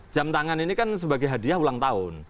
jam tangan ini kan sebagai hadiah ulang tahun